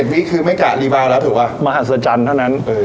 ๗วิคคือไม่กะรีบาลแล้วถูกปะมหาเสือจันทร์เท่านั้น